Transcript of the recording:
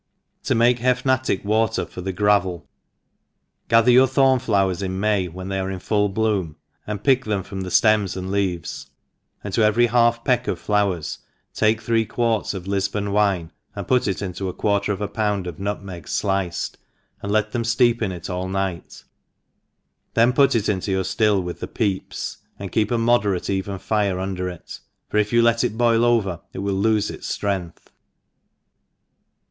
To maieH^PUii ATiCK Water for fie Gravel. GATHER your thorn flowers in May, when they arc in full bloom, and pick them from the ftemi «B ENGLISH HOUSE. KEEPER. 367 ftems and leaves, and to every half peck of flowers, take three quarts of Liibon wine, and put into it a quarter of a pound of nutmegs iliced, and let them fteep in it all night, theo put it into your ftill with the peeps, and keep a moderate even fire under it, for if you let it boil over, it will lofe its ftrength.